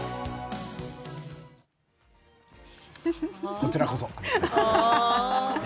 こちらこそ。